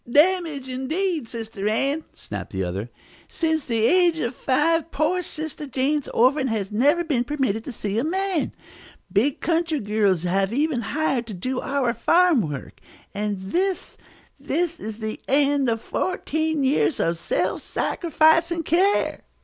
"Damage, indeed, Sister Ann!" snapped the other. "Since the age of five, poor Sister Jane's orphan has never been permitted to see a man. Big country girls have even been hired to do our farm work. And this, this is the end of fourteen years of self sacrificing care!"